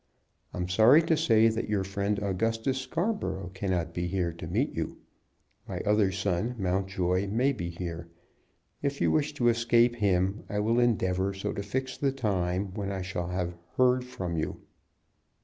I am sorry to say that your friend Augustus Scarborough cannot be here to meet you. My other son, Mountjoy, may be here. If you wish to escape him, I will endeavor so to fix the time when I shall have heard from you.